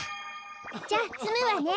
じゃあつむわね。